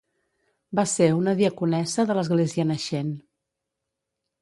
Va ser una diaconessa de l'església naixent.